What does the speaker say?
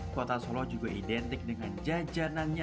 kota solo juga identik dengan jajanannya